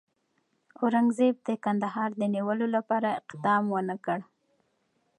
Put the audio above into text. اورنګزېب د کندهار د نیولو لپاره اقدام ونه کړ.